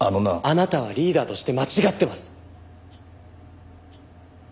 あなたはリーダーとして間違ってます。